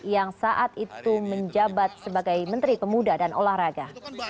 yang saat itu menjabat sebagai menteri pemuda dan olahraga